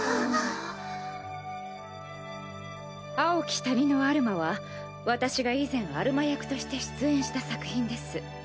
「蒼き谷のアルマ」は私が以前アルマ役として出演した作品です。